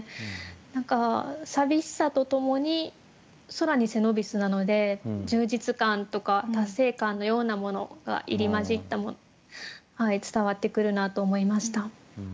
何か寂しさとともに「空に背伸びす」なので充実感とか達成感のようなものが入り交じった伝わってくるなと思いました。